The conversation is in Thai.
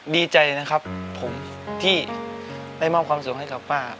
ดีใจนะครับผมที่ได้มอบความสุขให้กับป้า